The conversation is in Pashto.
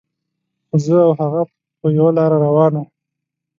زه او هغه په یوه لاره روان وو.